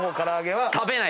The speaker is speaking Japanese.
はい！